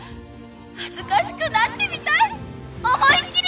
恥ずかしくなってみたい思いっきり！